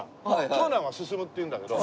長男はススムっていうんだけど。